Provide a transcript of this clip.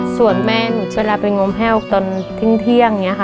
ส่วนแม่เวลาไปงมแฮลกตอนที่เที่ยง